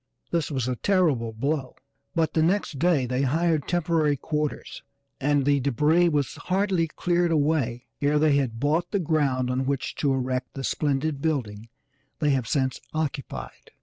This was a terrible blow, but the next day they hired temporary quarters, and the debris was hardly cleared away ere they had bought the ground on which to erect the splendid building they have since occupied.